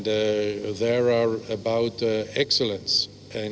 dan berkaitan dengan kebaikan